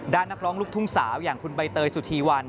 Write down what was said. นักร้องลูกทุ่งสาวอย่างคุณใบเตยสุธีวัน